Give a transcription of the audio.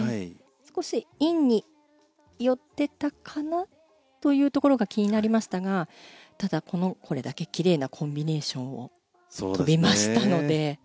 少しインに寄っていたかな？というところが気になりましたがただ、これだけ奇麗なコンビネーションを跳びましたので。